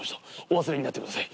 お忘れになってください。